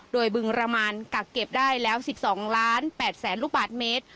โดยบึงรามานกักเก็บได้แล้ว๑๒ล้าน๘แสนลูกบาทเมตร